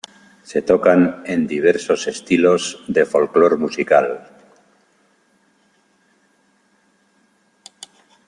Se tocan en diversos estilos de folklor musical.